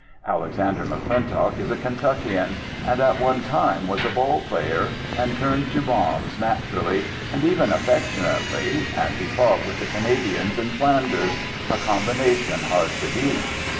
Alexander McClintock is a Kentuckian, and at one time was a ball player, and turned to bombs nat urally and even affectionately, and he fought with the Canadians in Flanders — a combination hard to beat.